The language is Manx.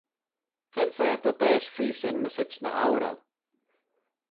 Cre'n fa ta baase Chreest enmyssit ny oural?